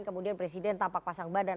kemudian presiden tampak pasang badan